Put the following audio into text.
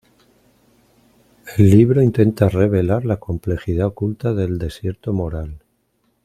El libro intenta revelar la complejidad oculta del desierto moral.